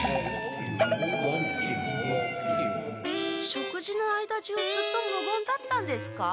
食事の間じゅうずっとむごんだったんですか？